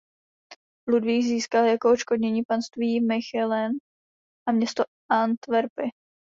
Ludvík získal jako odškodnění panství Mechelen a město Antverpy.